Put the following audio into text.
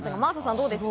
どうですか？